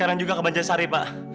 sekarang juga kebanjai sari pak